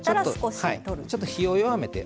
ちょっと火を弱めて。